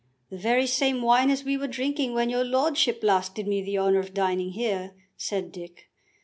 "The very same wine as we were drinking when your lordship last did me the honour of dining here," said Dick.